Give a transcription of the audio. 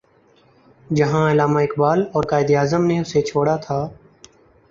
جہاں علامہ اقبال اور قائد اعظم نے اسے چھوڑا تھا۔